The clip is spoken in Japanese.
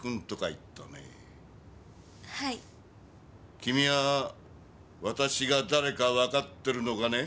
君は私が誰かわかってるのかね？